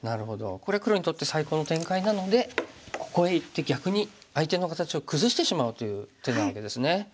これ黒にとって最高の展開なのでここへいって逆に相手の形を崩してしまうという手なわけですね。